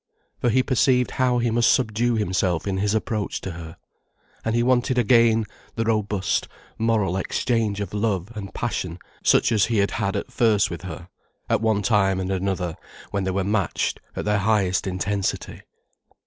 For he perceived how he must subdue himself in his approach to her. And he wanted again the robust, moral exchange of love and passion such as he had had at first with her, at one time and another, when they were matched at their highest intensity.